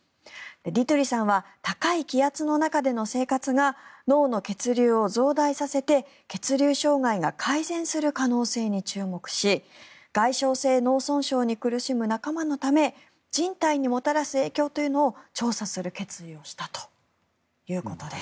ディトゥリさんは高い気圧の中での生活が脳の血流を増大させて血流障害が改善する可能性に注目し外傷性脳損傷に苦しむ仲間のため人体にもたらす影響というのを調査する決意をしたということです。